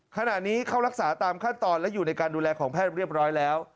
ขณะนี้เข้ารักษาตามขั้นตอนและอยู่ในการดูแลของแพทย์เรียบร้อยแล้ว